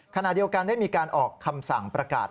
ขณะเดียวกันได้มีการออกคำสั่งประกาศ